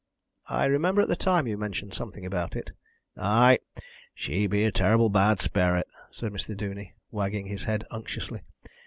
"I remember at the time you mentioned something about it." "Ay, she be a terr'ble bad sperrit," said Mr. Duney, wagging his head unctuously.